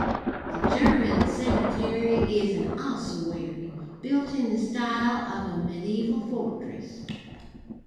The German cemetery is an ossuary, built in the style of a medieval fortress.